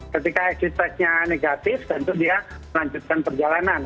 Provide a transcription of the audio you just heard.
ketika exit testnya negatif tentu dia melanjutkan perjalanan